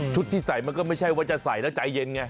ที่ใส่มันก็ไม่ใช่ว่าจะใส่แล้วใจเย็นไง